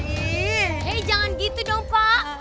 eh jangan gitu dong pak